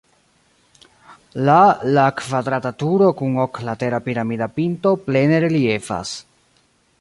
La la kvadrata turo kun oklatera piramida pinto plene reliefas.